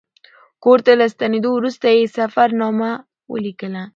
کور ته له ستنېدو وروسته یې سفرنامه ولیکله.